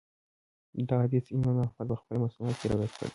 دا حديث امام احمد په خپل مسند کي روايت کړی